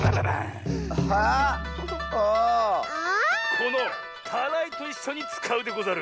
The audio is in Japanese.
このたらいといっしょにつかうでござる。